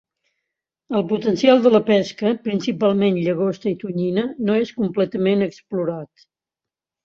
El potencial de la pesca, principalment llagosta i tonyina no és completament explorat.